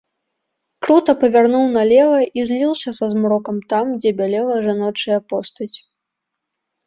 Крута павярнуў налева і зліўся са змрокам там, дзе бялела жаночая постаць.